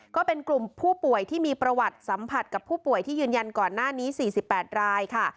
ก็เป็นกลุ่มผู้ป่วยที่มีประวัติสัมผัสกับผู้ป่วยที่ยืนยันก่อนหน้านี้๔๘รายค่ะ